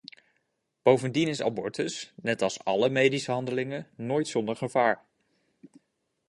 Bovendien is abortus, net als alle medische handelingen, nooit zonder gevaar.